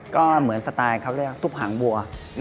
ก็เหมือนสไตล์เขาเรียกซุปหางบัว